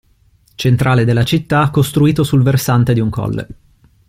Centrale della città, costruito sul versante di un colle.